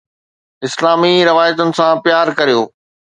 اسلامي روايتن سان پيار ڪريو